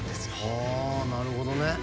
はなるほどね。